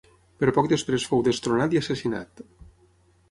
Però poc després fou destronat i assassinat.